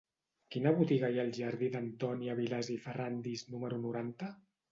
Quina botiga hi ha al jardí d'Antònia Vilàs i Ferràndiz número noranta?